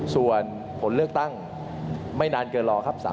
ส่วนผลเลือกตั้งไม่นานเกินรอครับ